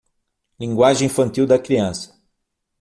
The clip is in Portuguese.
Linguagem infantil da criança